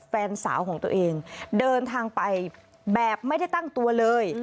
แฟนสาวของตัวเองเดินทางไปแบบไม่ได้ตั้งตัวเลย